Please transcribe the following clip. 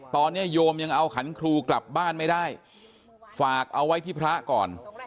ตอนนี้โยมยังเอาขันครูกลับบ้านไม่ได้ฝากเอาไว้ที่พระก่อน